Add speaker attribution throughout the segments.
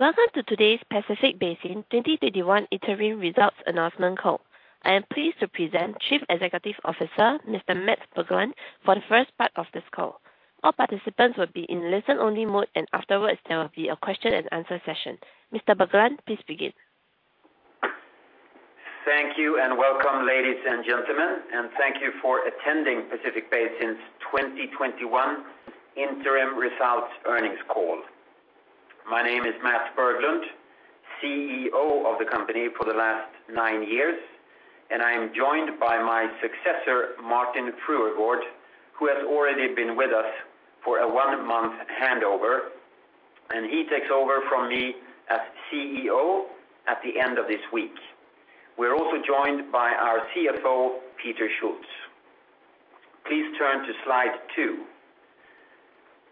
Speaker 1: Welcome to today's Pacific Basin 2021 Interim Results Announcement Call. I am pleased to present Chief Executive Officer, Mr. Mats Berglund, for the first part of this call. All participants will be in listen only mode, and afterwards there will be a question-and-answer session. Mr. Berglund, please begin.
Speaker 2: Thank you. Welcome, ladies and gentlemen, thank you for attending Pacific Basin's 2021 Interim Results earnings call. My name is Mats Berglund, CEO of the company for the last nine years. I am joined by my successor, Martin Fruergaard, who has already been with us for a one-month handover. He takes over from me as CEO at the end of this week. We're also joined by our CFO, Peter Schulz. Please turn to slide two.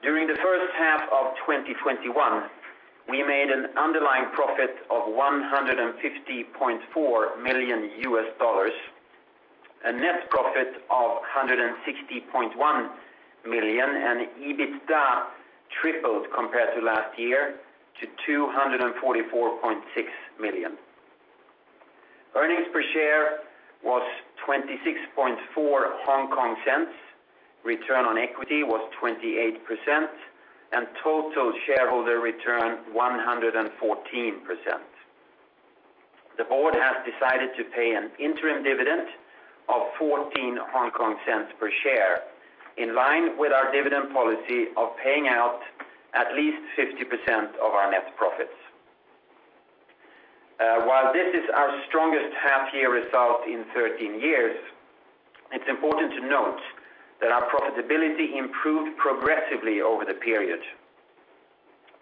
Speaker 2: During the first half of 2021, we made an underlying profit of $150.4 million U.S., a net profit of $160.1 million. EBITDA tripled compared to last year to $244.6 million. Earnings per share was 0.264. Return on equity was 28%. Total shareholder return, 114%. The board has decided to pay an interim dividend of 0.14 per share, in line with our dividend policy of paying out at least 50% of our net profits. While this is our strongest half year result in 13 years, it's important to note that our profitability improved progressively over the period.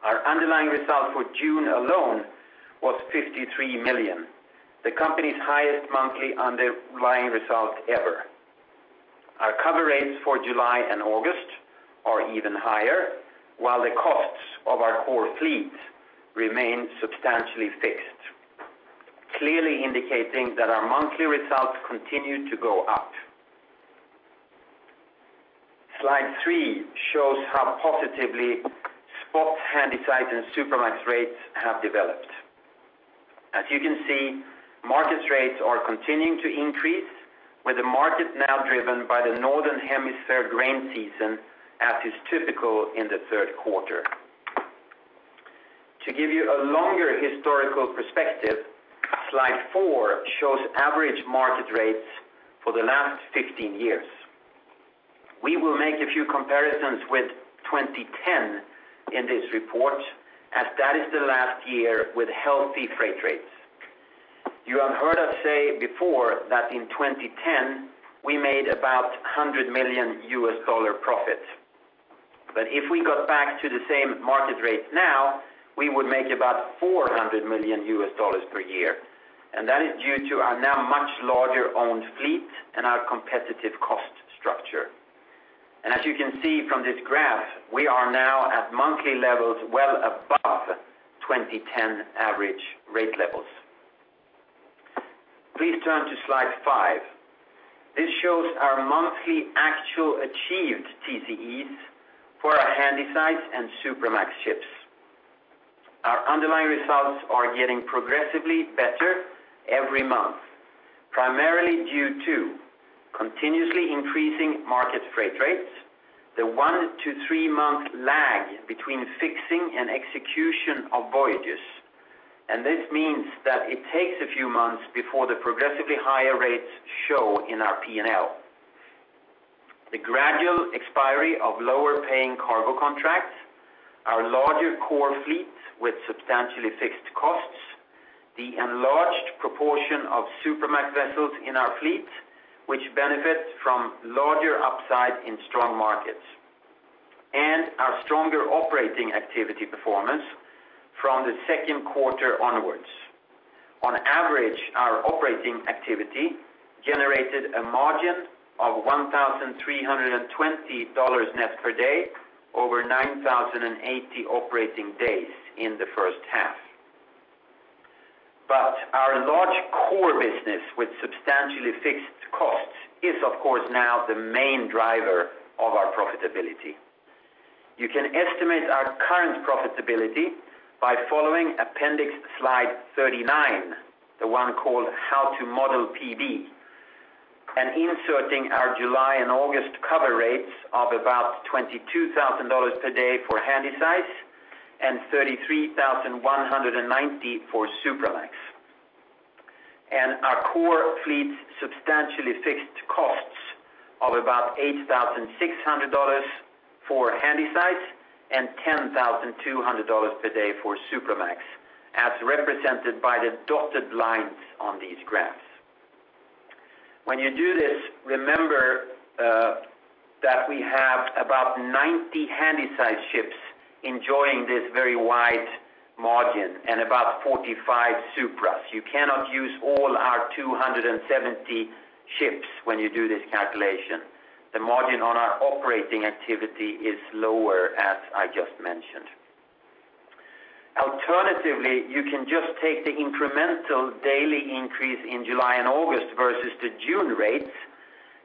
Speaker 2: Our underlying result for June alone was 53 million, the company's highest monthly underlying result ever. Our cover rates for July and August are even higher, while the costs of our core fleet remain substantially fixed, clearly indicating that our monthly results continue to go up. Slide 3 shows how positively spot Handysize and Supramax rates have developed. As you can see, market rates are continuing to increase, with the market now driven by the northern hemisphere grain season, as is typical in the third quarter. To give you a longer historical perspective, slide four shows average market rates for the last 15 years. We will make a few comparisons with 2010 in this report, as that is the last year with healthy freight rates. You have heard us say before that in 2010, we made about $100 million profit. If we got back to the same market rates now, we would make about $400 million per year, and that is due to our now much larger owned fleet and our competitive cost structure. As you can see from this graph, we are now at monthly levels well above 2010 average rate levels. Please turn to slide five. This shows our monthly actual achieved TCEs for our Handysize and Supramax ships. Our underlying results are getting progressively better every month, primarily due to continuously increasing market freight rates, the one to three-month lag between fixing and execution of voyages, and this means that it takes a few months before the progressively higher rates show in our P&L, the gradual expiry of lower paying cargo contracts, our larger core fleet with substantially fixed costs, the enlarged proportion of Supramax vessels in our fleet, which benefit from larger upside in strong markets, and our stronger operating activity performance from the second quarter onwards. On average, our operating activity generated a margin of $1,320 net per day over 9,080 operating days in the first half. Our large core business with substantially fixed costs is, of course, now the main driver of our profitability. You can estimate our current profitability by following appendix slide 39, the one called How to Model PB, and inserting our July and August cover rates of about $22,000 per day for Handysize and $33,190 for Supramax. Our core fleet's substantially fixed costs of about $8,600 for Handysize and $10,200 per day for Supramax, as represented by the dotted lines on these graphs. When you do this, remember that we have about 90 Handysize ships enjoying this very wide margin and about 45 Supras. You cannot use all our 270 ships when you do this calculation. The margin on our operating activity is lower, as I just mentioned. Alternatively, you can just take the incremental daily increase in July and August versus the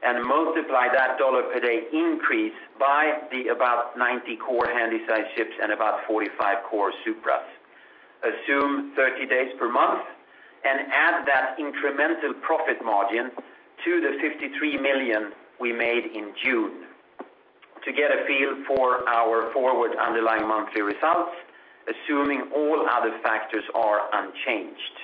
Speaker 2: June rates. Multiply that dollar per day increase by the about 90 core Handysize ships and about 45 core Supras. Assume 30 days per month, add that incremental profit margin to the $53 million we made in June to get a feel for our forward underlying monthly results, assuming all other factors are unchanged.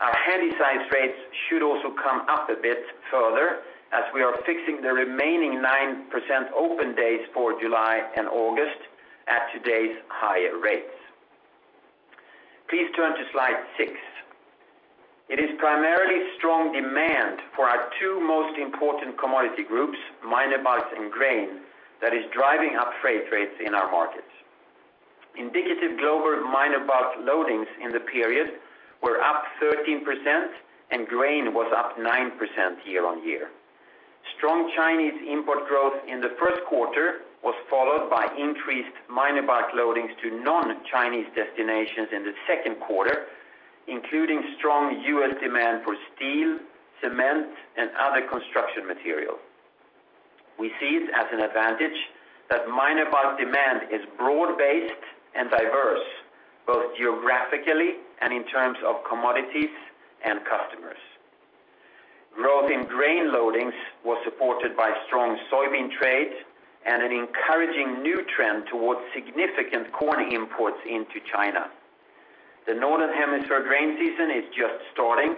Speaker 2: Our Handysize rates should also come up a bit further, as we are fixing the remaining 9% open days for July and August at today's higher rates. Please turn to slide six. It is primarily strong demand for our two most important commodity groups, minor bulk and grain, that is driving up freight rates in our markets. Indicative global minor bulk loadings in the period were up 13%, and grain was up 9% year-on-year. Strong Chinese import growth in the first quarter was followed by increased minor bulk loadings to non-Chinese destinations in the second quarter, including strong U.S. demand for steel, cement, and other construction materials. We see it as an advantage that minor bulk demand is broad-based and diverse, both geographically and in terms of commodities and customers. Growth in grain loadings was supported by strong soybean trade and an encouraging new trend towards significant corn imports into China. The Northern Hemisphere grain season is just starting,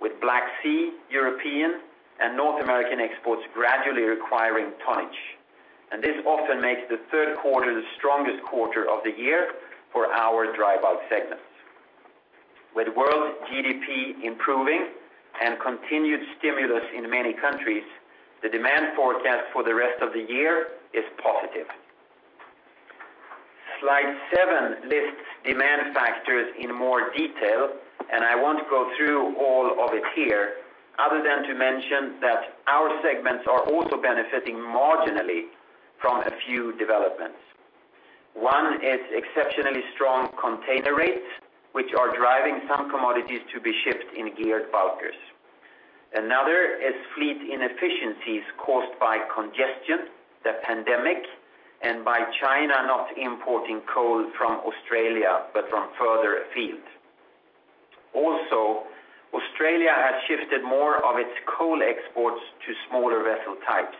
Speaker 2: with Black Sea, European, and North American exports gradually requiring tonnage. This often makes the third quarter the strongest quarter of the year for our dry bulk segment. With world GDP improving and continued stimulus in many countries, the demand forecast for the rest of the year is positive. Slide seven lists demand factors in more detail, and I won't go through all of it here, other than to mention that our segments are also benefiting marginally from a few developments. One is exceptionally strong container rates, which are driving some commodities to be shipped in geared bulkers. Another is fleet inefficiencies caused by congestion, the pandemic, and by China not importing coal from Australia, but from further afield. Also, Australia has shifted more of its coal exports to smaller vessel types.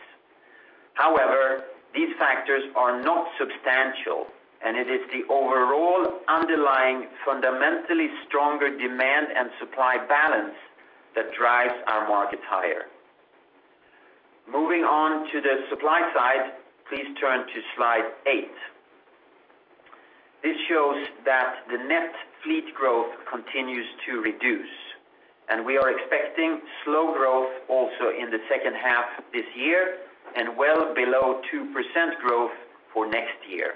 Speaker 2: However, these factors are not substantial, and it is the overall underlying, fundamentally stronger demand and supply balance that drives our markets higher. Moving on to the supply side, please turn to slide eight. This shows that the net fleet growth continues to reduce, and we are expecting slow growth also in the second half this year and well below 2% growth for next year.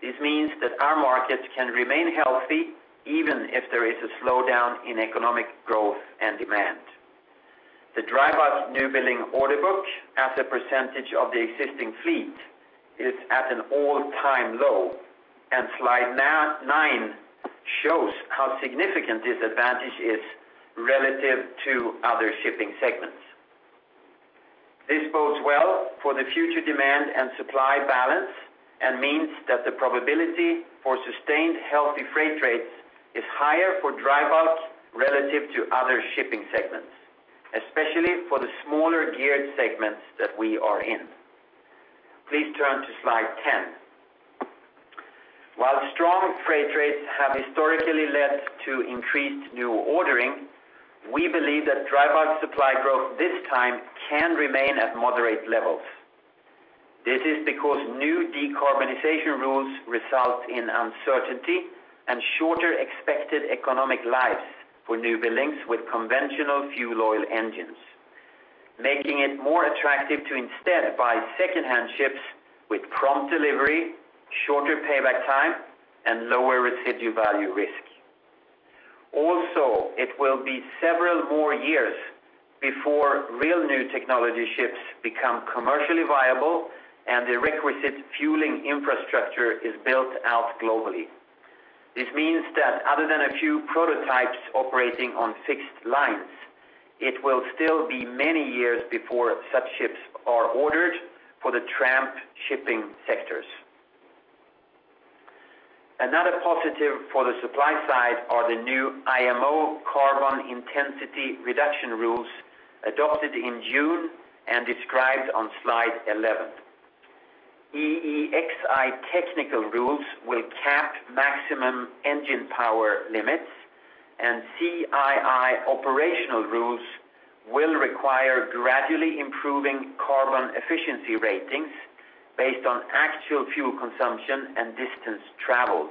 Speaker 2: This means that our markets can remain healthy even if there is a slowdown in economic growth and demand. The dry bulk newbuilding order book as a percentage of the existing fleet is at an all-time low, and slide nine shows how significant this advantage is relative to other shipping segments. This bodes well for the future demand and supply balance and means that the probability for sustained healthy freight rates is higher for dry bulk relative to other shipping segments, especially for the smaller geared segments that we are in. Please turn to slide 10. While strong freight rates have historically led to increased new ordering, we believe that dry bulk supply growth this time can remain at moderate levels. This is because new decarbonization rules result in uncertainty and shorter expected economic lives for newbuildings with conventional fuel oil engines, making it more attractive to instead buy secondhand ships with prompt delivery, shorter payback time, and lower residue value risk. Also, it will be several more years before real new technology ships become commercially viable and the requisite fueling infrastructure is built out globally. This means that other than a few prototypes operating on fixed lines, it will still be many years before such ships are ordered for the tramp shipping sectors. Another positive for the supply side are the new IMO carbon intensity reduction rules adopted in June and described on slide 11. EEXI technical rules will cap maximum engine power limits, and CII operational rules will require gradually improving carbon efficiency ratings based on actual fuel consumption and distance traveled,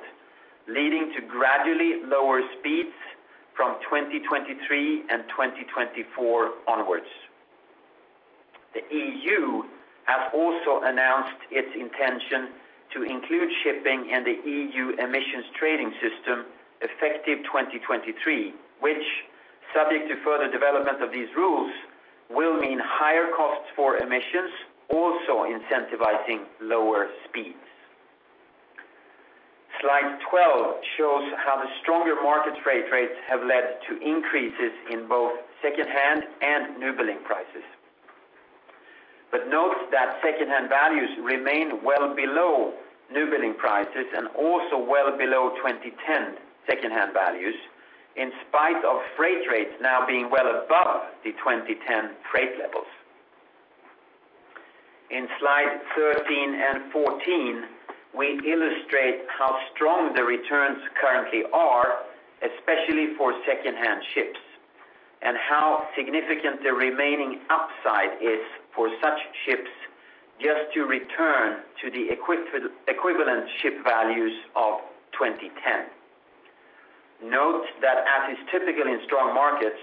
Speaker 2: leading to gradually lower speeds from 2023 and 2024 onwards. The EU has also announced its intention to include shipping in the EU Emissions Trading System effective 2023, which, subject to further development of these rules, will mean higher costs for emissions, also incentivizing lower speeds. Slide 12 shows how the stronger market freight rates have led to increases in both secondhand and newbuilding prices. Note that secondhand values remain well below newbuilding prices and also well below 2010 secondhand values, in spite of freight rates now being well above the 2010 freight levels. In Slide 13 and 14, we illustrate how strong the returns currently are, especially for secondhand ships, and how significant the remaining upside is for such ships just to return to the equivalent ship values of 2010. Note that as is typical in strong markets,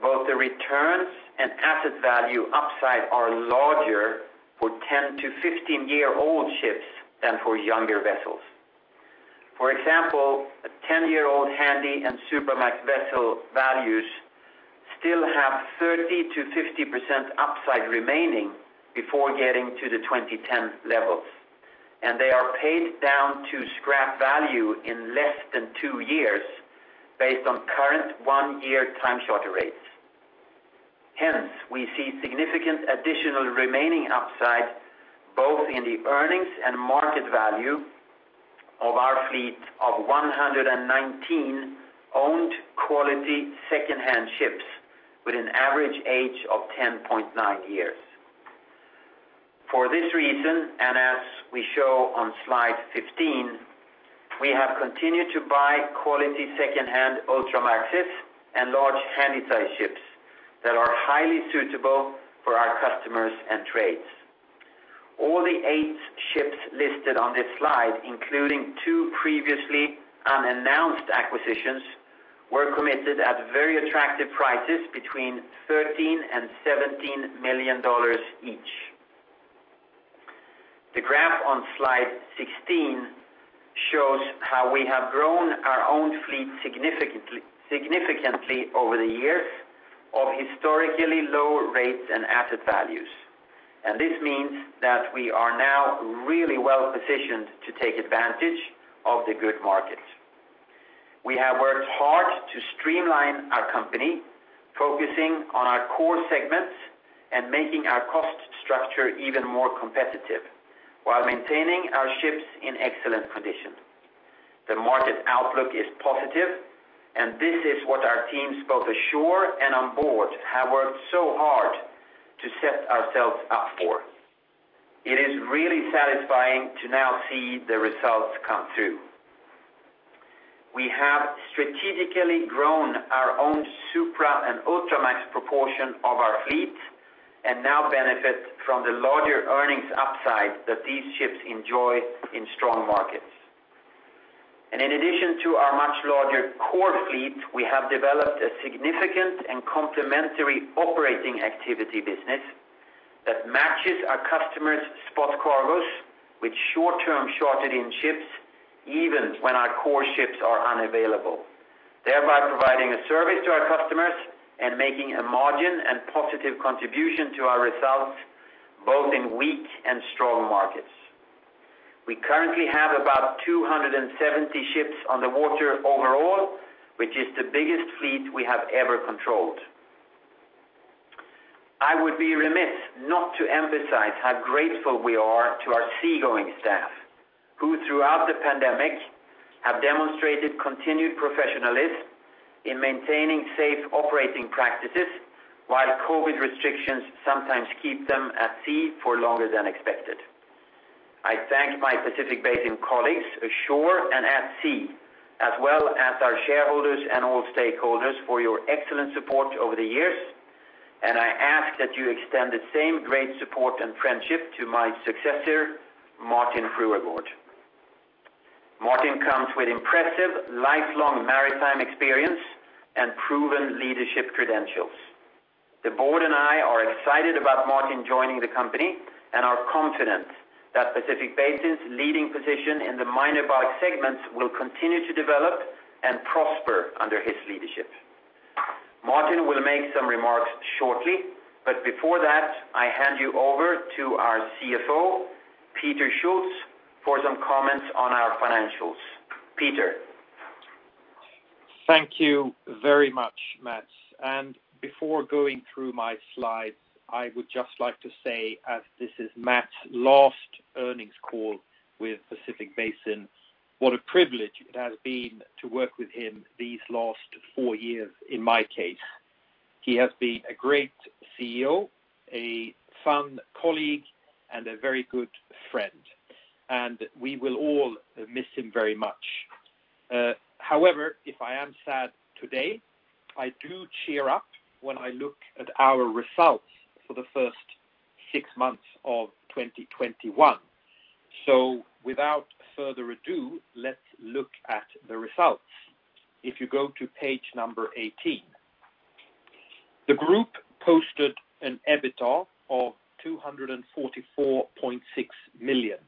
Speaker 2: both the returns and asset value upside are larger for 10–15-year-old ships than for younger vessels. For example, a 10-year-old Handysize and Supramax vessel values still have 30%-50% upside remaining before getting to the 2010 levels, and they are paid down to scrap value in less than two years based on current one-year time charter rates. Hence, we see significant additional remaining upside, both in the earnings and market value of our fleet of 119 owned quality secondhand ships with an average age of 10.9 years. For this reason, and as we show on slide 15, we have continued to buy quality secondhand Ultramaxes and large Handysize ships that are highly suitable for our customers and trades. All the eight ships listed on this slide, including two previously unannounced acquisitions, were committed at very attractive prices between $13 million-$17 million each. The graph on slide 16 shows how we have grown our own fleet significantly over the years of historically low rates and asset values. This means that we are now really well-positioned to take advantage of the good market. We have worked hard to streamline our company, focusing on our core segments and making our cost structure even more competitive while maintaining our ships in excellent condition. The market outlook is positive, and this is what our teams both ashore and on board have worked so hard to set ourselves up for. It is really satisfying to now see the results come through. We have strategically grown our own Supra and Ultramax proportion of our fleet, and now benefit from the larger earnings upside that these ships enjoy in strong markets. In addition to our much larger core fleet, we have developed a significant and complementary operating activity business that matches our customers' spot cargoes with short-term chartered-in ships, even when our core ships are unavailable, thereby providing a service to our customers and making a margin and positive contribution to our results, both in weak and strong markets. We currently have about 270 ships on the water overall, which is the biggest fleet we have ever controlled. I would be remiss not to emphasize how grateful we are to our seagoing staff, who, throughout the pandemic, have demonstrated continued professionalism in maintaining safe operating practices while COVID restrictions sometimes keep them at sea for longer than expected. I thank my Pacific Basin colleagues ashore and at sea, as well as our shareholders and all stakeholders for your excellent support over the years, and I ask that you extend the same great support and friendship to my successor, Martin Fruergaard. Martin comes with impressive lifelong maritime experience and proven leadership credentials. The board and I are excited about Martin joining the company and are confident that Pacific Basin's leading position in the minor bulk segment will continue to develop and prosper under his leadership. Martin will make some remarks shortly, but before that, I hand you over to our CFO, Peter Schulz, for some comments on our financials. Peter.
Speaker 3: Thank you very much, Mats. Before going through my slides, I would just like to say, as this is Mats' last earnings call with Pacific Basin, what a privilege it has been to work with him these last four years, in my case. He has been a great CEO, a fun colleague, and a very good friend. We will all miss him very much. However, if I am sad today, I do cheer up when I look at our results for the first six months of 2021. Without further ado, let's look at the results. If you go to page number 18. The group posted an EBITDA of $244.6 million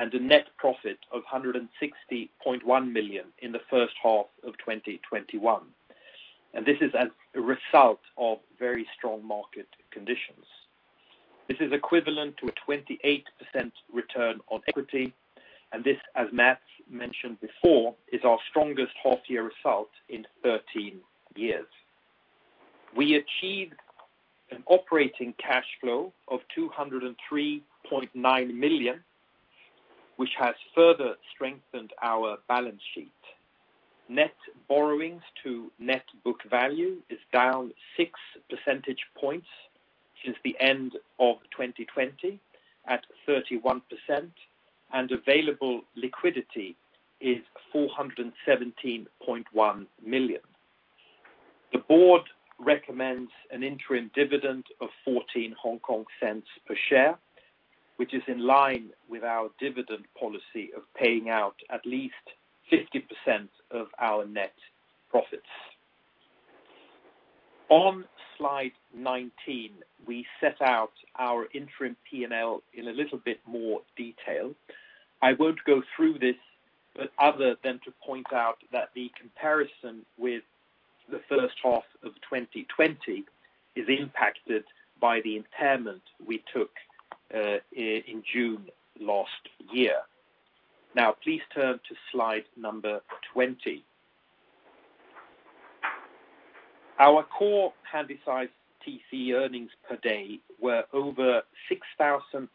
Speaker 3: and a net profit of $160.1 million in the first half of 2021. This is as a result of very strong market conditions. This is equivalent to a 28% return on equity, this, as Mats mentioned before, is our strongest half-year result in 13 years. We achieved an operating cash flow of $203.9 million, which has further strengthened our balance sheet. Net borrowings to net book value is down six percentage points since the end of 2020, at 31%. Available liquidity is $417.1 million. The board recommends an interim dividend of 0.14 per share, which is in line with our dividend policy of paying out at least 50% of our net profits. On slide 19, we set out our interim P&L in a little bit more detail. I won't go through this, other than to point out that the comparison with the first half of 2020 is impacted by the impairment we took in June last year. Please turn to slide number 20. Our core Handysize TC earnings per day were over $6,700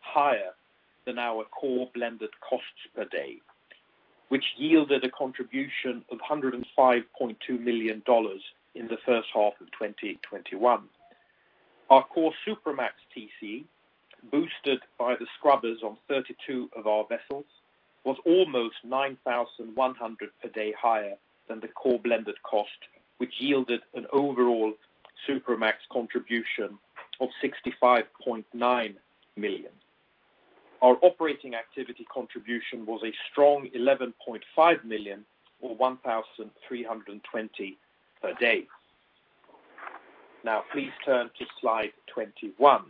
Speaker 3: higher than our core blended costs per day, which yielded a contribution of $105.2 million in the first half of 2021. Our core Supramax TC, boosted by the scrubbers on 32 of our vessels, was almost $9,100 per day higher than the core blended cost, which yielded an overall Supramax contribution of $65.9 million. Our operating activity contribution was a strong $11.5 million or 1,320 per day. Please turn to slide 21.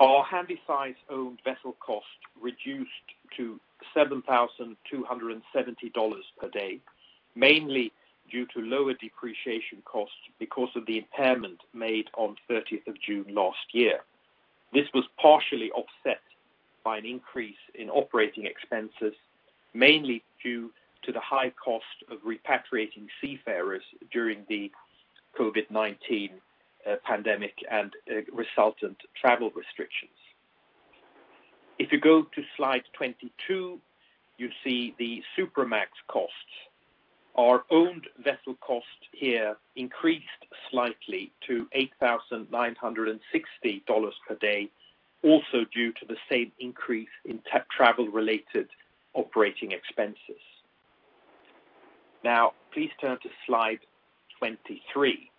Speaker 3: Our Handysize-owned vessel cost reduced to $7,270 per day, mainly due to lower depreciation costs because of the impairment made on 30th of June last year. This was partially offset by an increase in operating expenses, mainly due to the high cost of repatriating seafarers during the COVID-19 pandemic and resultant travel restrictions. If you go to slide 22, you see the Supramax costs. Our owned vessel cost here increased slightly to $8,960 per day, also due to the same increase in travel-related operating expenses. Please turn to slide 23.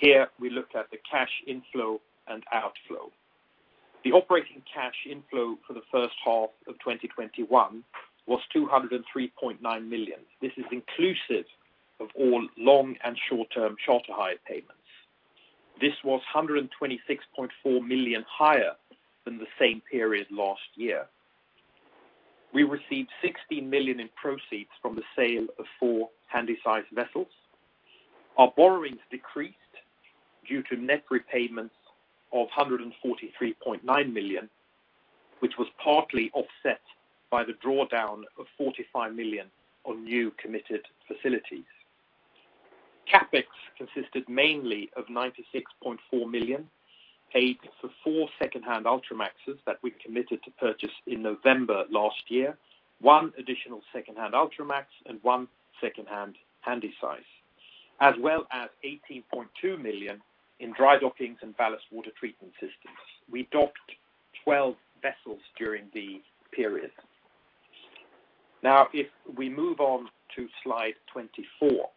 Speaker 3: Here, we look at the cash inflow and outflow. The operating cash inflow for the first half of 2021 was $203.9 million. This is inclusive of all long and short-term charter hire payments. This was $126.4 million higher than the same period last year. We received $16 million in proceeds from the sale of four Handysize vessels. Our borrowings decreased due to net repayments of $143.9 million, which was partly offset by the drawdown of $45 million on new committed facilities. CapEx consisted mainly of $96.4 million paid for four secondhand Ultramaxes that we committed to purchase in November last year, one additional secondhand Ultramax, and one secondhand Handysize, as well as $18.2 million in dry dockings and ballast water treatment systems. We docked 12 vessels during the period. If we move on to slide 24.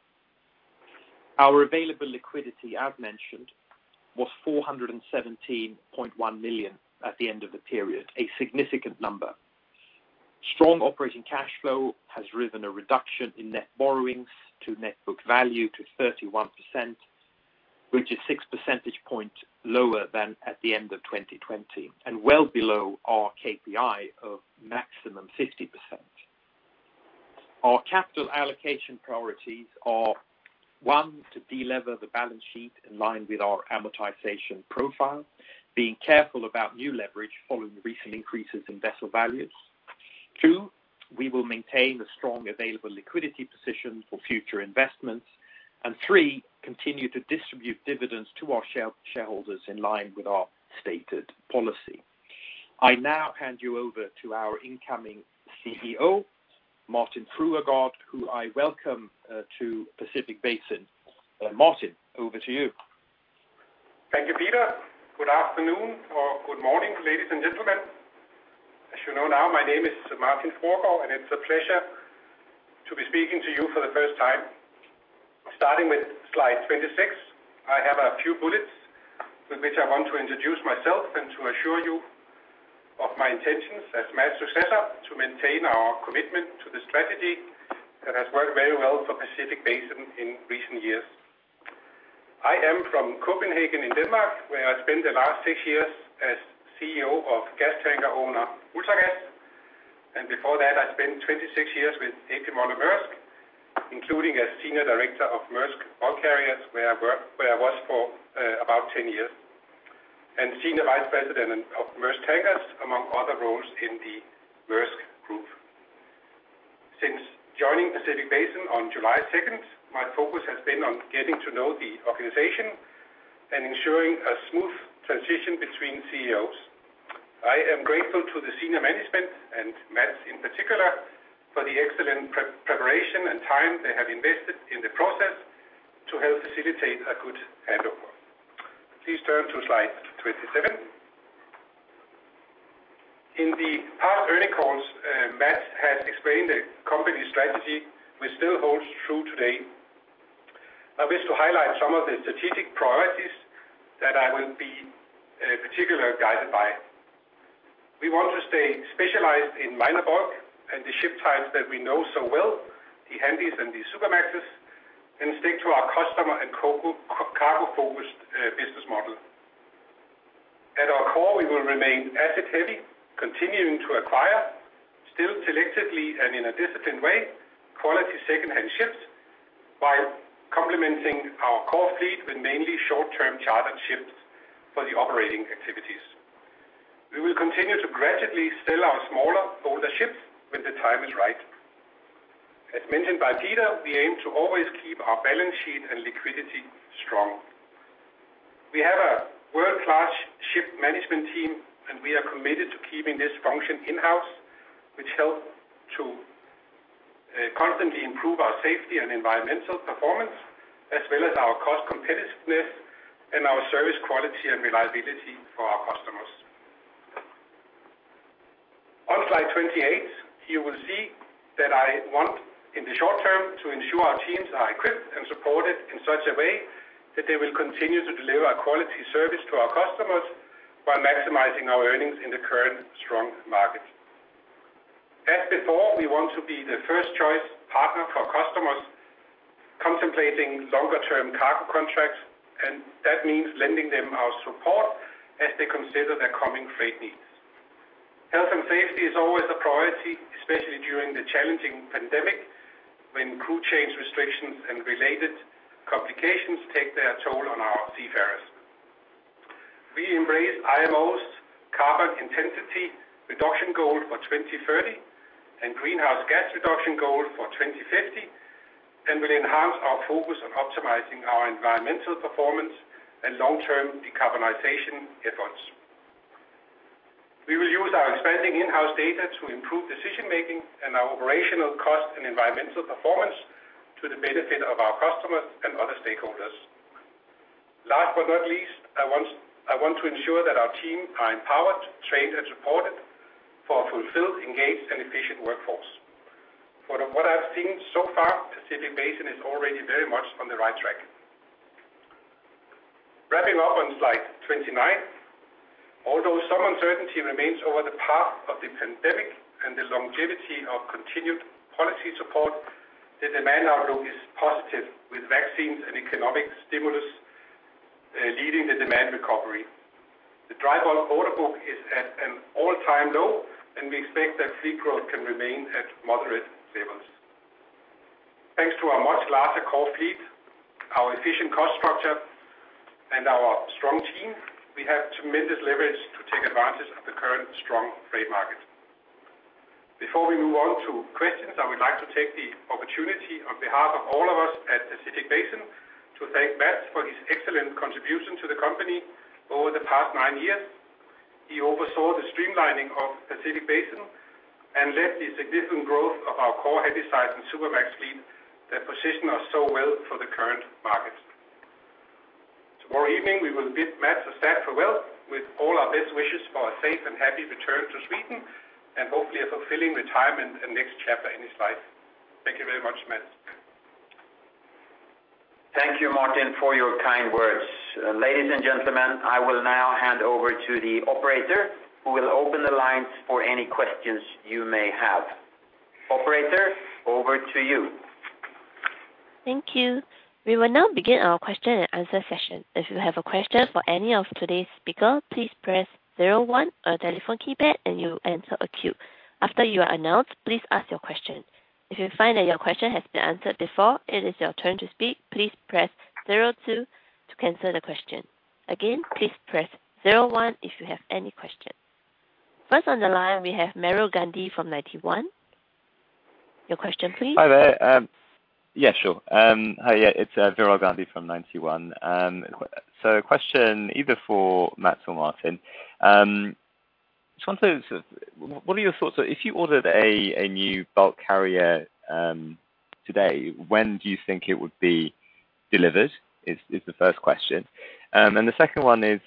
Speaker 3: Our available liquidity, I've mentioned, was $417.1 million at the end of the period, a significant number. Strong operating cash flow has driven a reduction in net borrowings to net book value to 31%, which is 6 percentage points lower than at the end of 2020, and well below our KPI of maximum 50%. Our capital allocation priorities are, one, to de-lever the balance sheet in line with our amortization profile, being careful about new leverage following recent increases in vessel values. Two, we will maintain a strong available liquidity position for future investments. Three, continue to distribute dividends to our shareholders in line with our stated policy. I now hand you over to our incoming CEO, Martin Fruergaard, who I welcome to Pacific Basin. Martin, over to you.
Speaker 4: Thank you, Peter. Good afternoon or good morning, ladies and gentlemen. As you know now, my name is Martin Fruergaard, and it's a pleasure to be speaking to you for the first time. Starting with slide 26, I have a few bullets with which I want to introduce myself and to assure you of my intentions as Mats's successor to maintain our commitment to the strategy that has worked very well for Pacific Basin in recent years. I am from Copenhagen in Denmark, where I spent the last six years as CEO of gas tanker owner, Ultra Gas and Energy. And before that, I spent 26 years with A.P. Moller - Maersk, including as senior director of Maersk Bulk Carriers, where I worked for about 10 years, and senior vice president of Maersk Tankers, among other roles in the Maersk group. Since joining Pacific Basin on July 2nd, my focus has been on getting to know the organization and ensuring a smooth transition between CEOs. I am grateful to the senior management, and Mats in particular, for the excellent preparation and time they have invested in the process to help facilitate a good handover. Please turn to slide 27. In the past earning calls, Mats has explained the company strategy, which still holds true today. I wish to highlight some of the strategic priorities that I will be particularly guided by. We want to stay specialized in minor bulk and the ship types that we know so well, the Handys and the Supramaxes, and stick to our customer and cargo-focused business model. At our core, we will remain asset heavy, continuing to acquire, still selectively and in a disciplined way, quality secondhand ships by complementing our core fleet with mainly short-term chartered ships for the operating activities. We will continue to gradually sell our smaller older ships when the time is right. As mentioned by Peter, we aim to always keep our balance sheet and liquidity strong. We have a world-class ship management team, and we are committed to keeping this function in-house, which help to constantly improve our safety and environmental performance, as well as our cost competitiveness and our service quality and reliability for our customers. On slide 28, you will see that I want, in the short term, to ensure our teams are equipped and supported in such a way that they will continue to deliver a quality service to our customers while maximizing our earnings in the current strong market. As before, we want to be the first choice partner for customers contemplating longer term cargo contracts, and that means lending them our support as they consider their coming freight needs. Health and safety is always a priority, especially during the challenging pandemic, when crew change restrictions and related complications take their toll on our seafarers. We embrace IMO's carbon intensity reduction goal for 2030 and greenhouse gas reduction goal for 2050, and will enhance our focus on optimizing our environmental performance and long-term decarbonization efforts. We will use our expanding in-house data to improve decision-making and our operational cost and environmental performance to the benefit of our customers and other stakeholders. Last but not least, I want to ensure that our team are empowered, trained, and supported for a fulfilled, engaged, and efficient workforce. From what I've seen so far, Pacific Basin is already very much on the right track. Wrapping up on slide 29. Although some uncertainty remains over the path of the pandemic and the longevity of continued policy support, the demand outlook is positive, with vaccines and economic stimulus leading the demand recovery. The dry bulk order book is at an all-time low, and we expect that fleet growth can remain at moderate levels. Thanks to our much larger core fleet, our efficient cost structure, and our strong team, we have tremendous leverage to take advantage of the current strong freight market. Before we move on to questions, I would like to take the opportunity on behalf of all of us at Pacific Basin to thank Mats for his excellent contribution to the company over the past nine years. He oversaw the streamlining of Pacific Basin and led the significant growth of our core Handysize and Supramax fleet that position us so well for the current market. Tomorrow evening, we will bid Mats and staff farewell with all our best wishes for a safe and happy return to Sweden and hopefully a fulfilling retirement and next chapter in his life. Thank you very much, Mats.
Speaker 2: Thank you, Martin, for your kind words. Ladies and gentlemen, I will now hand over to the operator who will open the lines for any questions you may have. Operator, over to you.
Speaker 1: Thank you. We will now begin our question-and-answer session. If you have a question for any of today's speaker, please press zero one on your telephone keypad to enter the queue. After you are announced, please asked your question. If you find that your question has been answered before it is your turn to speak, please press zero two to cancel the question, again please press zero one if you have any question. First on the line, we have Veeral Gandhi from Ninety One. Your question please.
Speaker 5: Hi there. Yeah, sure. Hi, it's Veeral Gandhi from Ninety One. Question either for Mats or Martin. What are your thoughts, if you ordered a new bulk carrier today, when do you think it would be delivered? Is the first question. The second one is,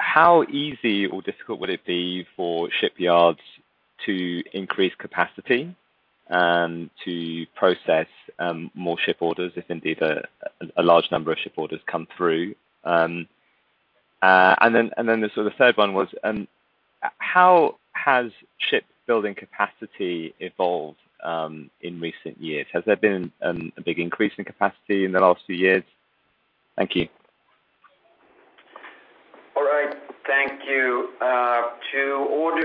Speaker 5: how easy or difficult would it be for shipyards to increase capacity to process more ship orders, if indeed a large number of ship orders come through? The third one was, how has shipbuilding capacity evolved in recent years? Has there been a big increase in capacity in the last few years? Thank you.
Speaker 2: All right, thank you.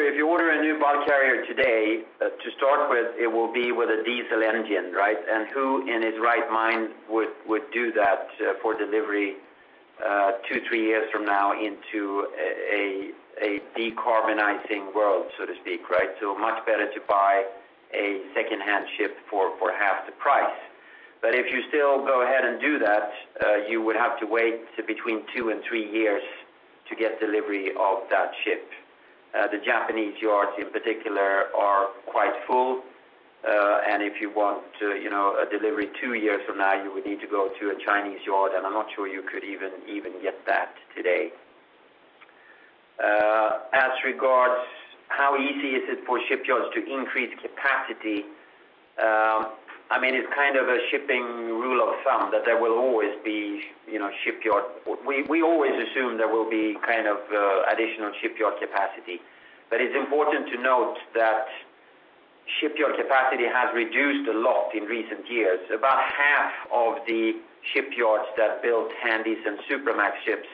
Speaker 2: If you order a new bulk carrier today, to start with, it will be with a diesel engine. Who in his right mind would do that for delivery two, three years from now into a decarbonizing world, so to speak. Much better to buy a secondhand ship for half the price. If you still go ahead and do that, you would have to wait between two and three years to get delivery of that ship. The Japanese yards in particular are quite full. If you want a delivery two years from now, you would need to go to a Chinese yard, and I'm not sure you could even get that today. As regards how easy is it for shipyards to increase capacity, it's kind of a shipping rule of thumb that there will always be shipyard. We always assume there will be additional shipyard capacity, but it's important to note that shipyard capacity has reduced a lot in recent years. About half of the shipyards that built Handysize and Supramax ships,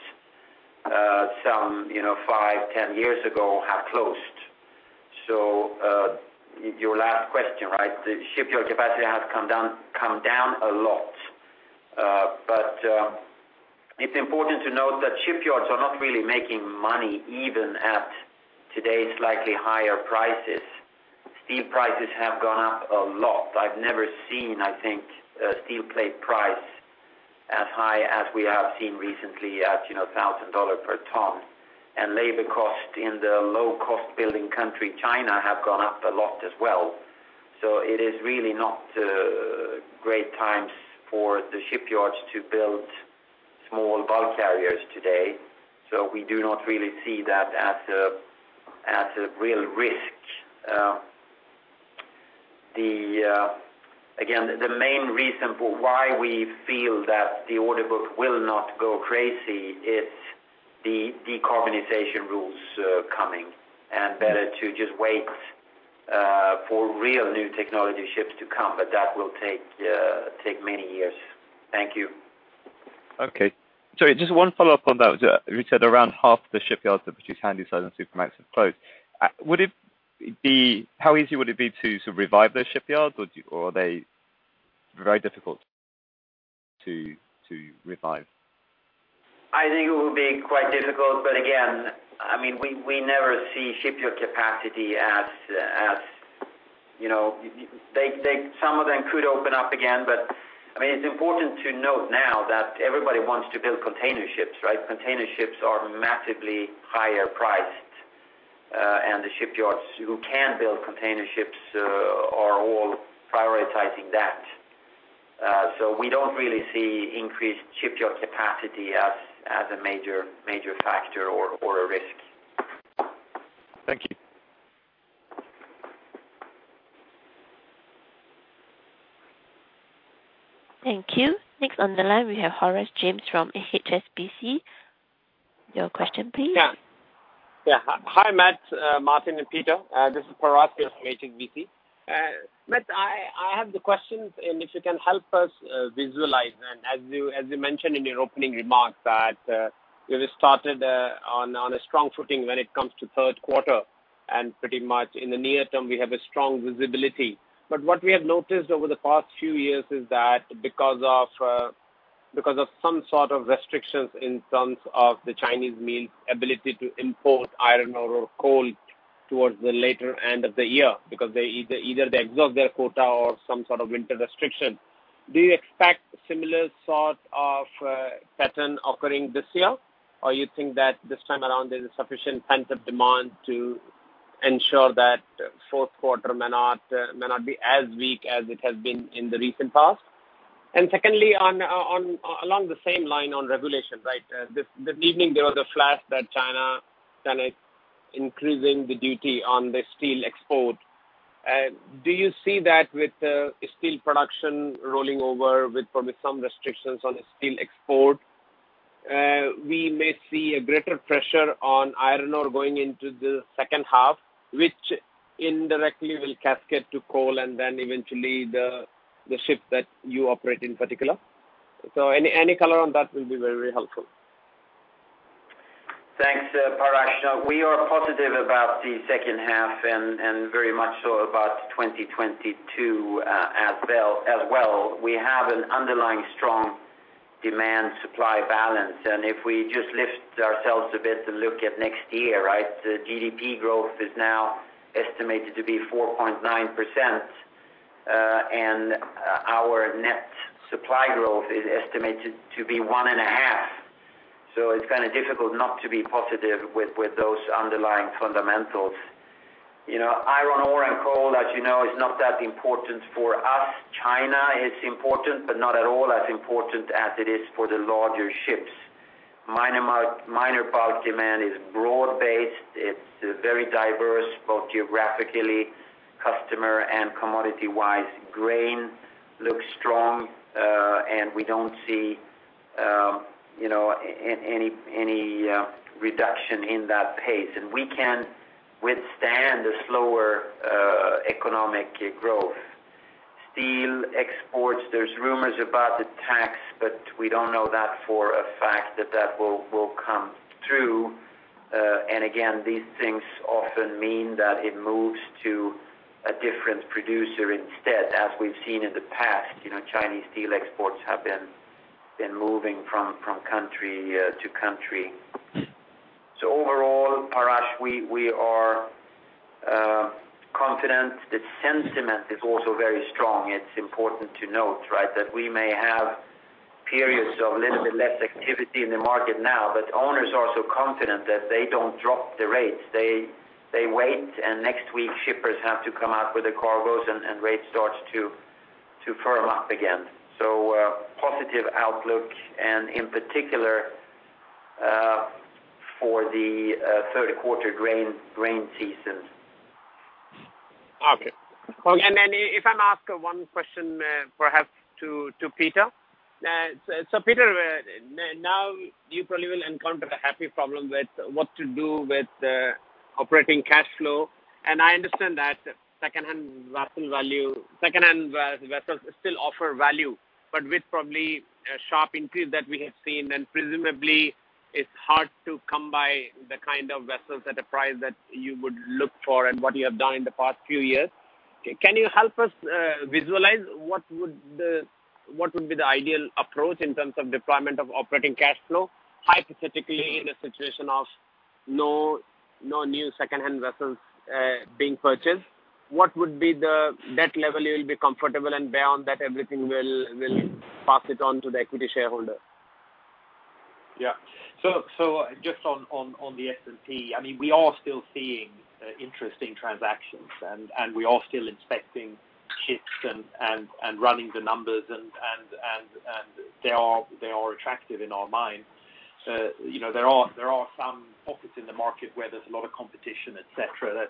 Speaker 2: some five, 10 years ago have closed. Your last question, the shipyard capacity has come down a lot. It's important to note that shipyards are not really making money, even at today's slightly higher prices. Steel prices have gone up a lot. I've never seen, I think, a steel plate price as high as we have seen recently at $1,000 per ton, and labor cost in the low-cost building country, China, have gone up a lot as well. It is really not great times for the shipyards to build small bulk carriers today. We do not really see that as a real risk. Again, the main reason for why we feel that the order book will not go crazy is the decarbonization rules coming, and better to just wait for real new technology ships to come, but that will take many years. Thank you.
Speaker 5: Okay. Sorry, just one follow-up on that. You said around half the shipyards that produce Handysize and Supramax have closed. How easy would it be to revive those shipyards, or are they very difficult to revive?
Speaker 2: I think it will be quite difficult. Again, we never see shipyard capacity. Some of them could open up again. It's important to note now that everybody wants to build container ships. Container ships are massively higher priced. The shipyards who can build container ships are all prioritizing that. We don't really see increased shipyard capacity as a major factor or a risk.
Speaker 5: Thank you.
Speaker 1: Thank you. Next on the line, we have Parash Jain from HSBC. Your question please.
Speaker 6: Yeah. Hi, Mats, Martin, and Peter. This is Parash here from HSBC. Mats, I have the questions, and if you can help us visualize, and as you mentioned in your opening remarks that you started on a strong footing when it comes to third quarter, and pretty much in the near term, we have a strong visibility. What we have noticed over the past few years is that because of some sort of restrictions in terms of the Chinese mill's ability to import iron ore or coal towards the later end of the year because either they exhaust their quota or some sort of winter restriction. Do you expect similar sort of pattern occurring this year, or you think that this time around there's sufficient pent-up demand to ensure that fourth quarter may not be as weak as it has been in the recent past? Secondly, along the same line on regulations. This evening there was a flash that China is increasing the duty on the steel export. Do you see that with steel production rolling over with probably some restrictions on steel export, we may see a greater pressure on iron ore going into the second half, which indirectly will cascade to coal and then eventually the ships that you operate in particular? Any color on that will be very helpful?
Speaker 2: Thanks, Parash. We are positive about the second half and very much so about 2022 as well. We have an underlying strong demand-supply balance. If we just lift ourselves a bit to look at next year, the GDP growth is now estimated to be 4.9%, and our net supply growth is estimated to be 1.5%. It's kind of difficult not to be positive with those underlying fundamentals. Iron ore and coal, as you know, is not that important for us. China is important, not at all as important as it is for the larger ships. Minor bulk demand is broad-based. It's very diverse, both geographically, customer, and commodity-wise. Grain looks strong. We don't see any reduction in that pace. We can withstand a slower economic growth. Steel exports, there's rumors about the tax, but we don't know that for a fact that will come through. Again, these things often mean that it moves to a different producer instead, as we've seen in the past. Chinese steel exports have been moving from country to country. Overall, Parash, we are confident. The sentiment is also very strong. It's important to note that we may have periods of little bit less activity in the market now, but owners are so confident that they don't drop the rates. They wait, and next week shippers have to come out with the cargoes and rates starts to firm up again. Positive outlook and in particular, for the third quarter grain season.
Speaker 6: Okay. If I may ask one question, perhaps to Peter. Peter, now you probably will encounter a happy problem with what to do with the operating cash flow. I understand that second-hand vessels still offer value, but with probably a sharp increase that we have seen, and presumably it's hard to come by the kind of vessels at a price that you would look for and what you have done in the past few years. Can you help us visualize what would be the ideal approach in terms of deployment of operating cash flow, hypothetically in a situation of no new second-hand vessels being purchased? What would be the debt level you will be comfortable and beyond that everything will pass it on to the equity shareholder?
Speaker 3: Just on the S&P, we are still seeing interesting transactions and we are still inspecting ships and running the numbers, and they are attractive in our mind. There are some pockets in the market where there's a lot of competition, et cetera.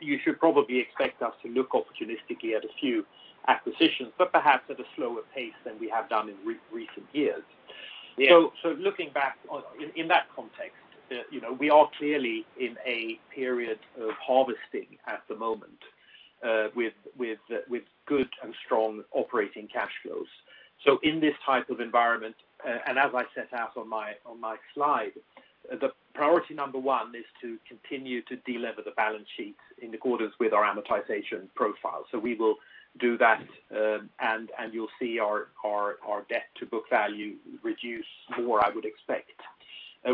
Speaker 3: You should probably expect us to look opportunistically at a few acquisitions, but perhaps at a slower pace than we have done in recent years.
Speaker 6: Yeah.
Speaker 3: Looking back in that context, we are clearly in a period of harvesting at the moment, with good and strong operating cash flows. In this type of environment, and as I set out on my slide, the priority number one is to continue to delever the balance sheets in accordance with our amortization profile. We will do that, and you'll see our debt to book value reduce more, I would expect.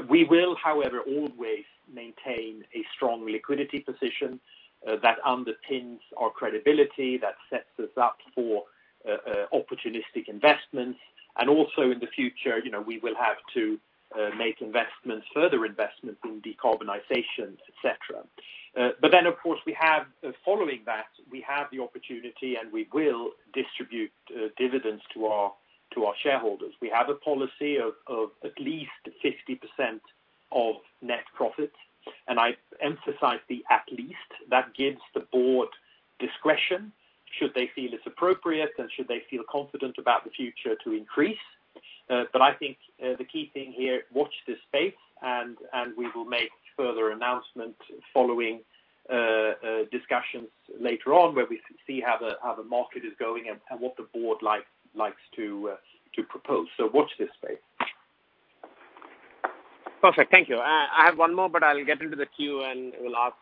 Speaker 3: We will, however, always maintain a strong liquidity position that underpins our credibility, that sets us up for opportunistic investments. Also in the future, we will have to make further investments in decarbonization, et cetera. Of course, following that, we have the opportunity and we will distribute dividends to our shareholders. We have a policy of at least 50% of net profits, I emphasize the at least. That gives the board discretion, should they feel it's appropriate and should they feel confident about the future to increase. I think, the key thing here, watch this space, and we will make further announcement following discussions later on where we see how the market is going and what the board likes to propose. Watch this space.
Speaker 6: Perfect. Thank you. I have one more, I'll get into the queue and will ask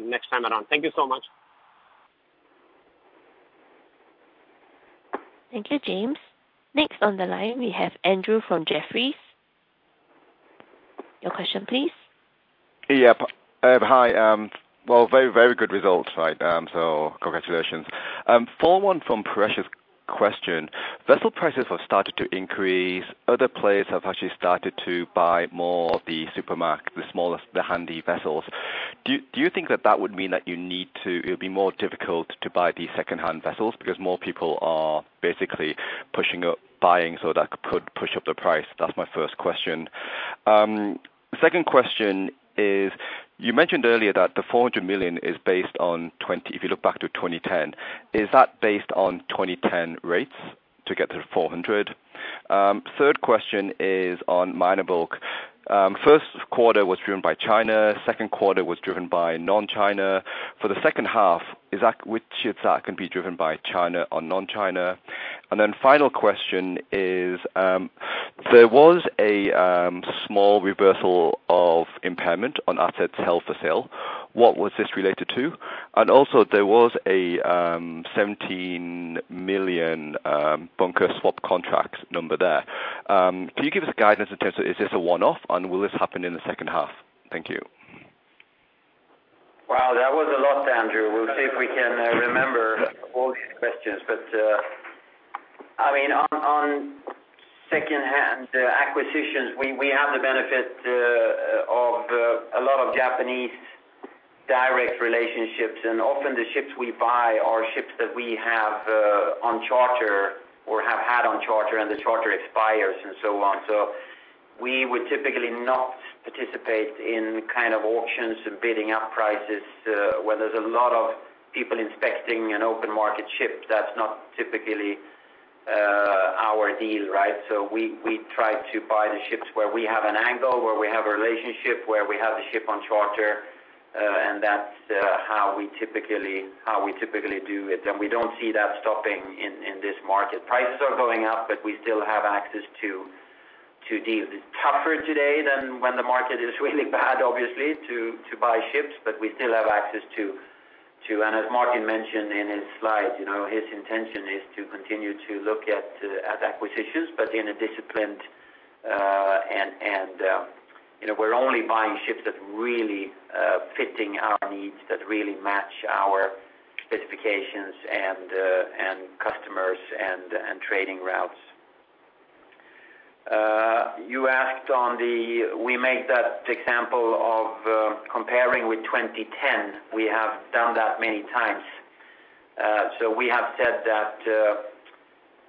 Speaker 6: next time around. Thank you so much.
Speaker 1: Thank you, Jain. Next on the line, we have Andrew from Jefferies. Your question please.
Speaker 7: Yeah. Hi. Well, very good results. Congratulations. Follow on from Parash's question. Vessel prices have started to increase. Other players have actually started to buy more of the Supramax, the smaller, the handy vessels. Do you think that that would mean that it would be more difficult to buy these second-hand vessels because more people are basically buying so that could push up the price? That's my first question. Second question is, you mentioned earlier that the $400 million is based on, if you look back to 2010. Is that based on 2010 rates to get to the $400? Third question is on minor bulk. First quarter was driven by China, second quarter was driven by non-China. For the second half, which ships are going to be driven by China or non-China? Final question is, there was a small reversal of impairment on assets held for sale. What was this related to? Also there was a $17 million bunker swap contracts number there. Can you give us a guidance in terms of is this a one-off, and will this happen in the second half? Thank you.
Speaker 2: Wow, that was a lot, Andrew. We'll see if we can remember all the questions. On second-hand acquisitions, we have the benefit of a lot of Japanese direct relationships, and often the ships we buy are ships that we have on charter or have had on charter, and the charter expires and so on. We would typically not participate in kind of auctions and bidding up prices, where there's a lot of people inspecting an open market ship. That's not typically our deal, right? We try to buy the ships where we have an angle, where we have a relationship, where we have the ship on charter. That's how we typically do it. We don't see that stopping in this market. Prices are going up, but we still have access to deals. It's tougher today than when the market is really bad, obviously, to buy ships, but we still have access to. As Martin mentioned in his slides, his intention is to continue to look at acquisitions, but in a disciplined. We're only buying ships that are really fitting our needs, that really match our specifications, and customers, and trading routes. We made that example of comparing with 2010. We have done that many times. We have said that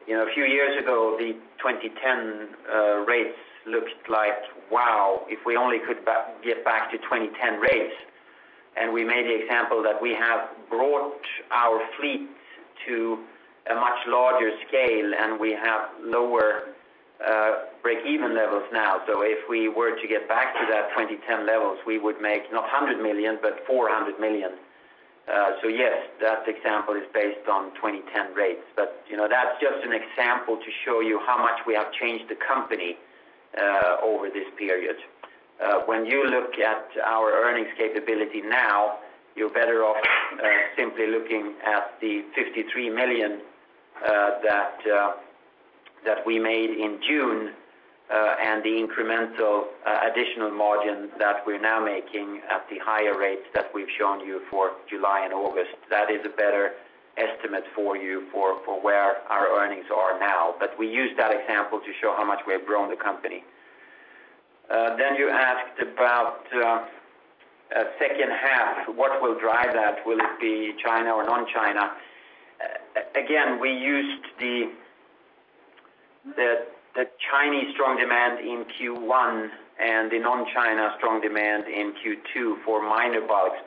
Speaker 2: a few years ago, the 2010 rates looked like, wow, if we only could get back to 2010 rates, and we made the example that we have brought our fleet to a much larger scale, and we have lower break-even levels now. If we were to get back to that 2010 levels, we would make not $100 million, but $400 million. Yes, that example is based on 2010 rates. That's just an example to show you how much we have changed the company over this period. When you look at our earnings capability now, you're better off simply looking at the $53 million that we made in June, and the incremental additional margin that we're now making at the higher rates that we've shown you for July and August. That is a better estimate for you for where our earnings are now. We used that example to show how much we have grown the company. You asked about second half, what will drive that? Will it be China or non-China? We used the Chinese strong demand in Q1 and the non-China strong demand in Q2 for minor bulks.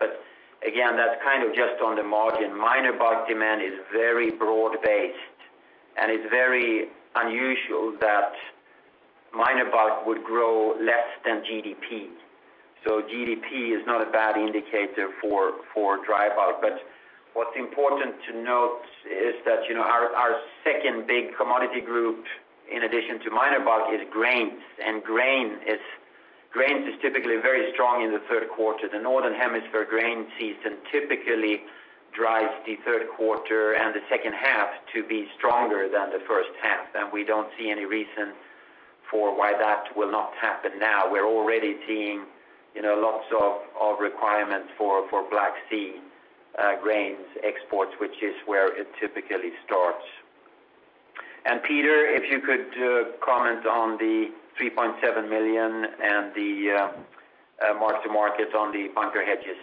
Speaker 2: Again, that's kind of just on the margin. Minor bulk demand is very broad-based, it's very unusual that minor bulk would grow less than GDP. GDP is not a bad indicator for dry bulk. What's important to note is that our second big commodity group, in addition to minor bulk, is grains. Grains is typically very strong in the third quarter. The Northern Hemisphere grain season typically drives the third quarter and the second half to be stronger than the first half. We don't see any reason for why that will not happen now. We're already seeing lots of requirements for Black Sea grains exports, which is where it typically starts. Peter, if you could comment on the $3.7 million and the mark-to-market on the bunker hedges.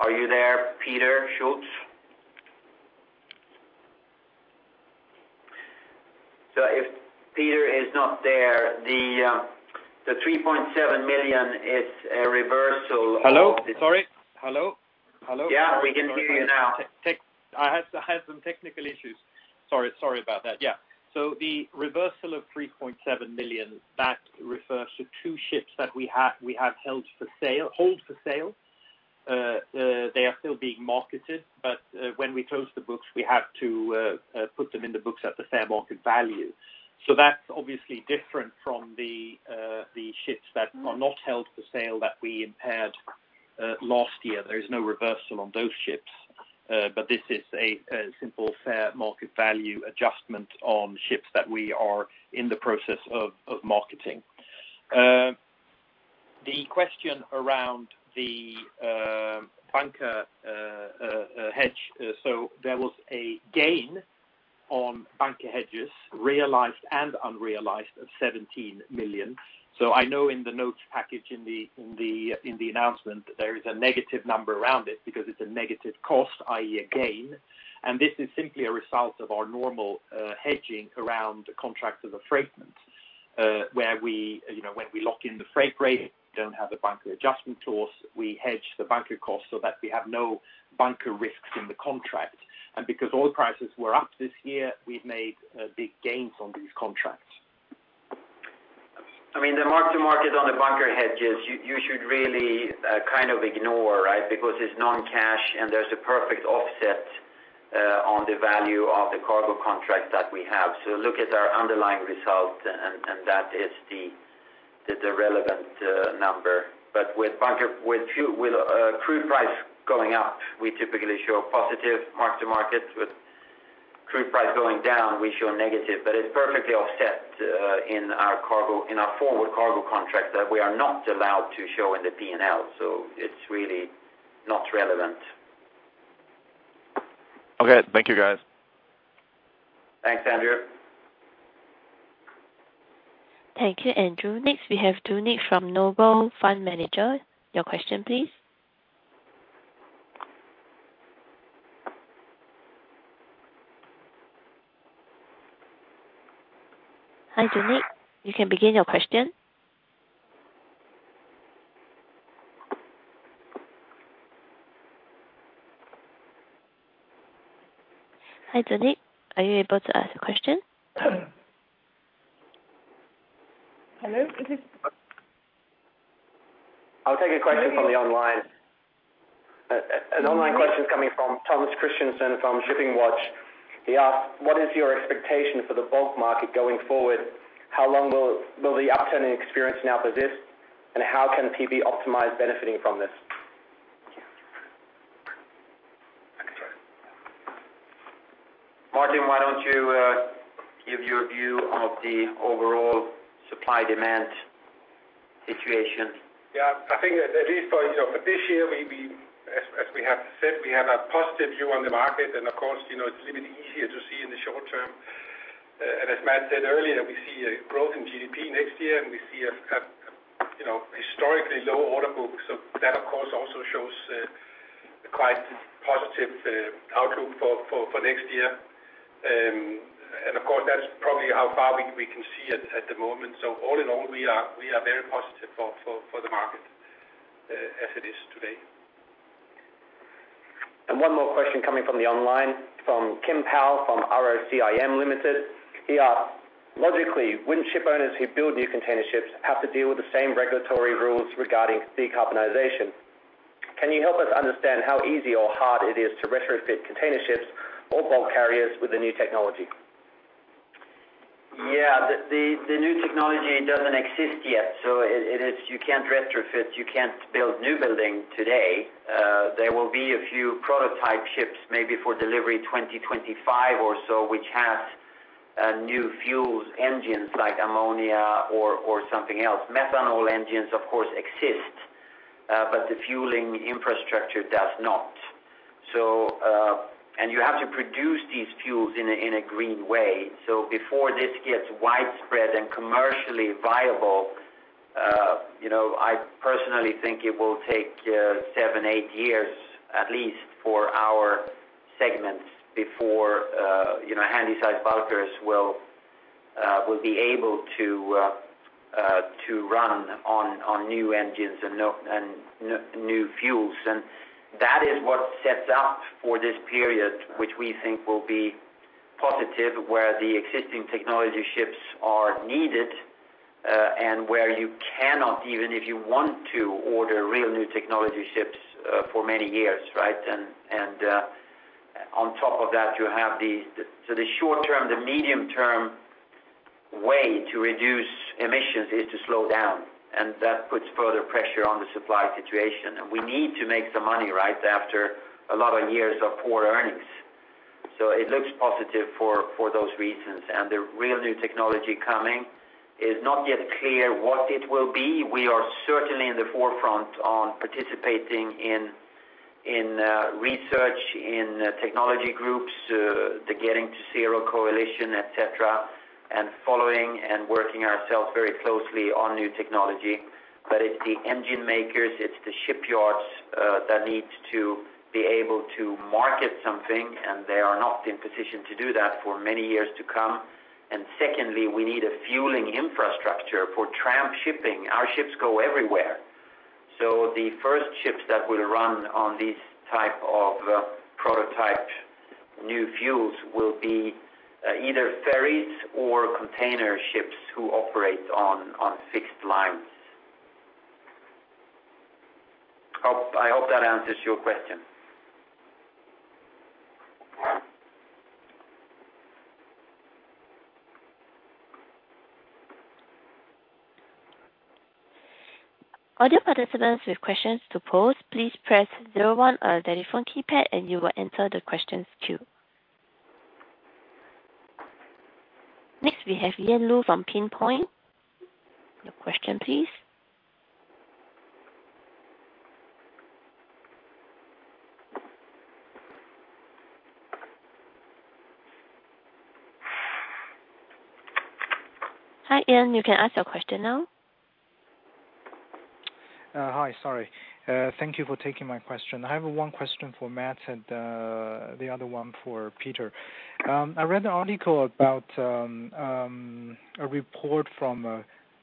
Speaker 2: Are you there, Peter Schulz? If Peter is not there, the $3.7 million is a reversal of.
Speaker 3: Hello? Sorry. Hello?
Speaker 2: Yeah, we can hear you now.
Speaker 3: I had some technical issues. Sorry about that. Yeah. The reversal of $3.7 million, that refers to two ships that we have held for sale. They are still being marketed, but when we close the books, we have to put them in the books at the fair market value. That's obviously different from the ships that are not held for sale that we impaired last year. There is no reversal on those ships. This is a simple fair market value adjustment on ships that we are in the process of marketing. The question around the bunker hedge, there was a gain on bunker hedges, realized and unrealized, of $17 million. I know in the notes package in the announcement, there is a negative number around it because it's a negative cost, i.e., a gain. This is simply a result of our normal hedging around contracts of affreightment, where when we lock in the freight rate, we don't have the bunker adjustment to us, we hedge the bunker cost so that we have no bunker risks in the contract. Because oil prices were up this year, we've made big gains on these contracts.
Speaker 2: The mark-to-market on the bunker hedges, you should really kind of ignore, right? Because it's non-cash, and there's a perfect offset on the value of the cargo contract that we have. Look at our underlying result, and that is the relevant number. With crude price going up, we typically show a positive mark-to-market. With crude price going down, we show a negative, but it's perfectly offset in our forward cargo contract that we are not allowed to show in the P&L. It's really not relevant.
Speaker 7: Okay. Thank you, guys.
Speaker 2: Thanks, Andrew.
Speaker 1: Thank you, Andrew. Next, we have Tony from Noble Fund Manager. Your question, please. Hi, Tony. You can begin your question. Hi, Tony. Are you able to ask a question?
Speaker 8: Hello?
Speaker 9: I'll take a question from the online. An online question coming from Thomas Christensen from ShippingWatch. He asks, "What is your expectation for the bulk market going forward? How long will the upturn in experience now persist, and how can PB optimize benefiting from this?
Speaker 2: Martin, why don't you give your view of the overall supply-demand situation?
Speaker 4: Yeah. I think at least for this year, as we have said, we have a positive view on the market and of course, it's a little bit easier to see in the short term. As Mats said earlier, we see a growth in GDP next year, and we see a historically low order book. That, of course, also shows quite a positive outlook for next year. Of course, that's probably how far we can see at the moment. All in all, we are very positive for the market as it is today.
Speaker 9: One more question coming from the online, from Kim Powell, from ROCIM Limited. He asked, "Logically, wouldn't ship owners who build new container ships have to deal with the same regulatory rules regarding decarbonization? Can you help us understand how easy or hard it is to retrofit container ships or bulk carriers with the new technology?
Speaker 2: Yeah. The new technology doesn't exist yet, you can't retrofit. You can't build new building today. There will be a few prototype ships maybe for delivery 2025 or so, which has new fuels engines like ammonia or something else. Methanol engines, of course, exist, the fueling infrastructure does not. You have to produce these fuels in a green way. Before this gets widespread and commercially viable, I personally think it will take seven, eight years at least for our segments before Handysize bulkers will be able to run on new engines and new fuels. That is what sets up for this period, which we think will be positive, where the existing technology ships are needed, and where you cannot, even if you want to order real new technology ships for many years, right? On top of that, the short-term, the medium-term way to reduce emissions is to slow down, and that puts further pressure on the supply situation. We need to make some money, right, after a lot of years of poor earnings. It looks positive for those reasons. The real new technology coming is not yet clear what it will be. We are certainly in the forefront on participating in research, in technology groups, the Getting to Zero Coalition, et cetera, and following and working ourselves very closely on new technology. It's the engine makers, it's the shipyards that need to be able to market something, and they are not in position to do that for many years to come. Secondly, we need a fueling infrastructure for tramp shipping. Our ships go everywhere. The first ships that will run on these type of prototype new fuels will be either ferries or container ships who operate on fixed lines. I hope that answers your question.
Speaker 1: Next, we have Yang Liu from Pinpoint. Your question, please. Hi, Yang. You can ask your question now.
Speaker 10: Hi. Sorry. Thank you for taking my question. I have one question for Mats and the other one for Peter. I read an article about a report from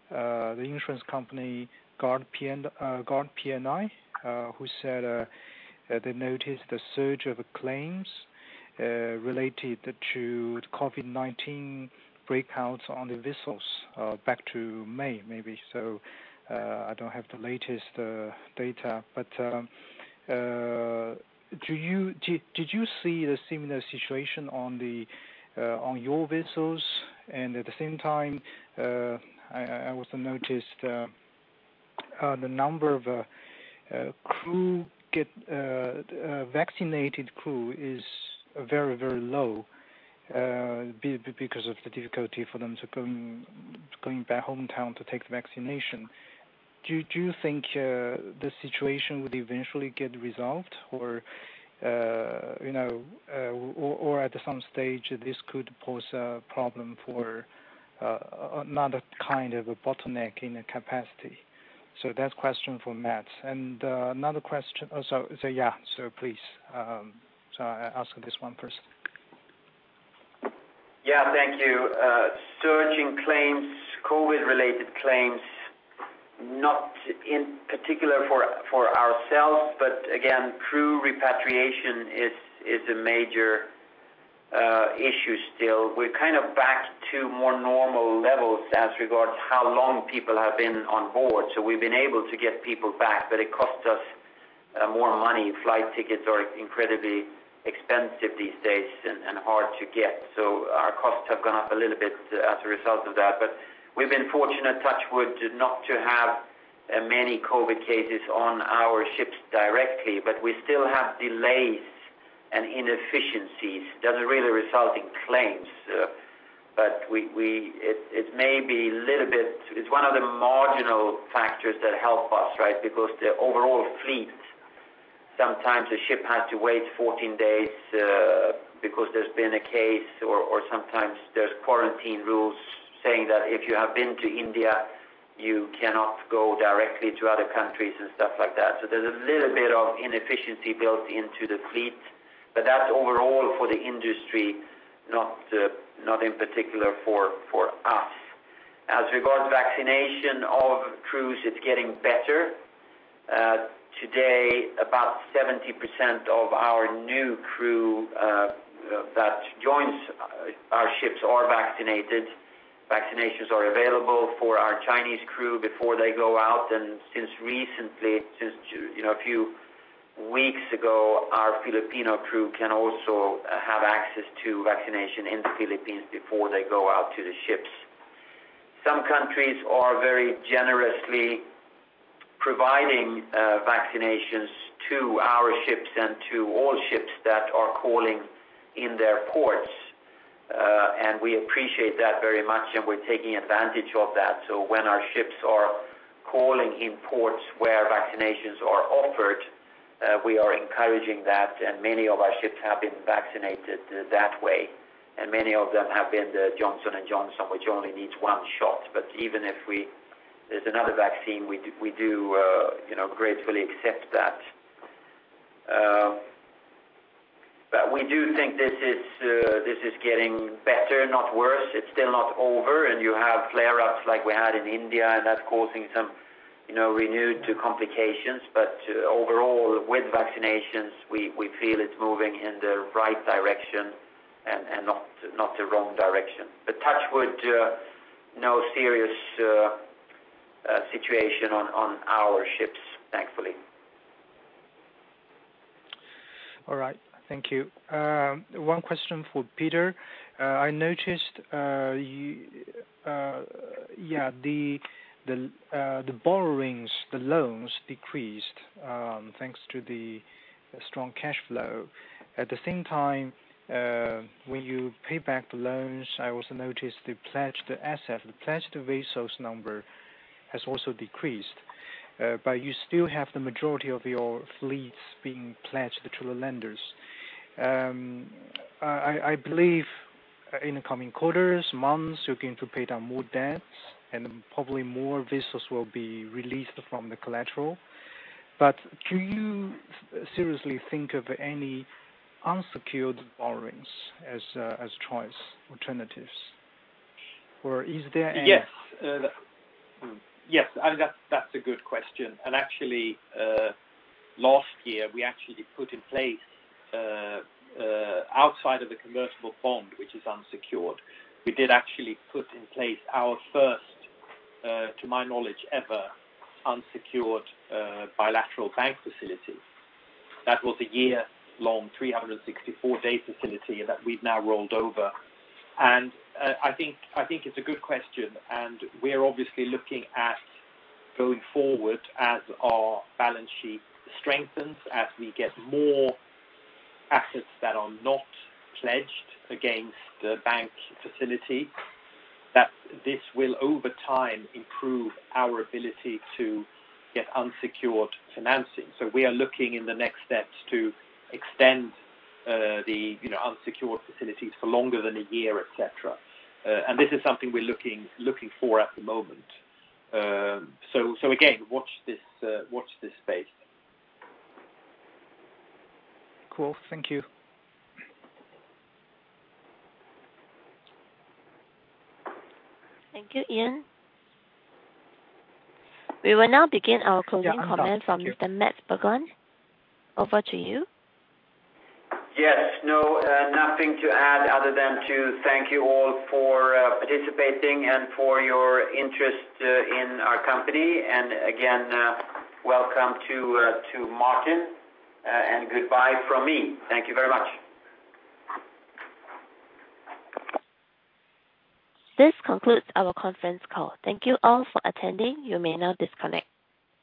Speaker 10: the insurance company, Gard P&I, who said they noticed a surge of claims related to COVID-19 breakouts on the vessels back to May, maybe so. I don't have the latest data. Did you see a similar situation on your vessels? At the same time, I also noticed the number of vaccinated crew is very, very low because of the difficulty for them to going back hometown to take the vaccination. Do you think the situation would eventually get resolved or at some stage, this could pose a problem for another kind of a bottleneck in the capacity? That's question for Mats. Another question. Please, ask this one first.
Speaker 2: Yeah, thank you. Surging claims, COVID-related claims, not in particular for ourselves, but again, crew repatriation is a major issue still. We're back to more normal levels as regards how long people have been on board. We've been able to get people back, but it costs us more money. Flight tickets are incredibly expensive these days and hard to get. Our costs have gone up a little bit as a result of that. We've been fortunate, touch wood, not to have many COVID cases on our ships directly, but we still have delays and inefficiencies. It doesn't really result in claims. It's one of the marginal factors that help us, right? The overall fleet, sometimes a ship has to wait 14 days because there's been a case or sometimes there's quarantine rules saying that if you have been to India, you cannot go directly to other countries and stuff like that. There's a little bit of inefficiency built into the fleet, but that's overall for the industry, not in particular for us. As regards vaccination of crews, it's getting better. Today, about 70% of our new crew that joins our ships are vaccinated. Vaccinations are available for our Chinese crew before they go out, and since recently, a few weeks ago, our Filipino crew can also have access to vaccination in the Philippines before they go out to the ships. Some countries are very generously providing vaccinations to our ships and to all ships that are calling in their ports. We appreciate that very much, and we're taking advantage of that. When our ships are calling in ports where vaccinations are offered, we are encouraging that, and many of our ships have been vaccinated that way. Many of them have been the Johnson & Johnson, which only needs one shot. Even if there's another vaccine, we do gratefully accept that. We do think this is getting better, not worse. It's still not over, and you have flare-ups like we had in India, and that's causing some renewed complications. Overall, with vaccinations, we feel it's moving in the right direction and not the wrong direction. Touch wood, no serious situation on our ships, thankfully.
Speaker 10: All right. Thank you. One question for Peter. I noticed the borrowings, the loans decreased, thanks to the strong cash flow. At the same time, when you pay back the loans, I also noticed the pledged asset, the pledged vessels number has also decreased. You still have the majority of your fleets being pledged to the lenders. I believe in the coming quarters, months, you're going to pay down more debts and probably more vessels will be released from the collateral. Do you seriously think of any unsecured borrowings as choice alternatives?
Speaker 3: Yes. That's a good question. Actually, last year, we actually put in place, outside of the convertible bond, which is unsecured, we did actually put in place our first, to my knowledge, ever unsecured bilateral bank facility. That was a year-long, 364-day facility that we've now rolled over. I think it's a good question, and we're obviously looking at going forward as our balance sheet strengthens, as we get more assets that are not pledged against the bank facility, that this will over time improve our ability to get unsecured financing. We are looking in the next steps to extend the unsecured facilities for longer than a year, et cetera. This is something we're looking for at the moment. Again, watch this space.
Speaker 10: Cool. Thank you.
Speaker 1: Thank you, Yang. We will now begin our closing comment from Mr. Mats Berglund. Over to you.
Speaker 2: Yes. Nothing to add other than to thank you all for participating and for your interest in our company. Again, welcome to Martin, and goodbye from me. Thank you very much.
Speaker 1: This concludes our conference call. Thank you all for attending. You may now disconnect.